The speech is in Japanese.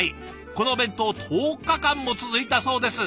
このお弁当１０日間も続いたそうです。